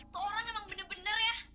tuh orang emang bener bener ya